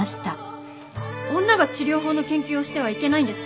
女が治療法の研究をしてはいけないんですか？